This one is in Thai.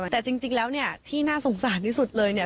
แต่จริงแล้วเนี่ยที่น่าสงสารที่สุดเลยเนี่ย